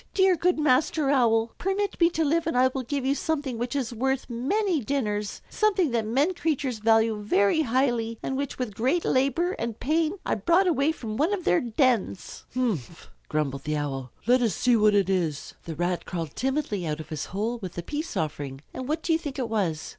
"Dear, good Master Owl, permit me to live and I will give you something which is worth many dinners, something that men creatures value very highly, and which with great labor and pain I brought away from one of their dens." "Umph!" grumbled the Owl. "Let us see what it is." The Rat crawled timidly out of his hole with the peace offering; and what do you think it was?